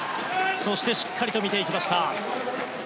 そしてしっかり見ていきました。